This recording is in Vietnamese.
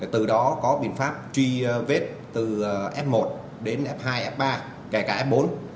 từ đó có biện pháp truy vết từ f một đến f hai f ba kể cả f bốn